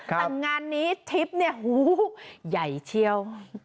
แต่งานนี้ทริปเนี่ยหูใหญ่เชียว